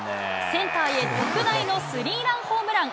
センターへ特大のスリーランホームラン。